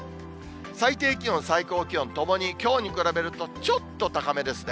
最低気温、最高気温ともに、きょうに比べるとちょっと高めですね。